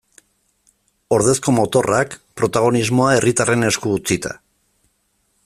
Ordezko motorrak, protagonismoa herritarren esku utzita.